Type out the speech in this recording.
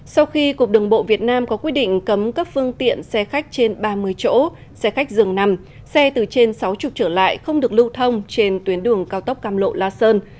sau khi cục đường bộ việt nam có quyết định cấm cấp phương tiện xe khách trên ba mươi chỗ xe khách dường nằm xe từ trên sáu mươi trở lại không được lưu thông trên tuyến đường cao tốc cam lộ la sơn